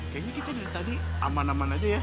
kayaknya kita dari tadi aman aman aja ya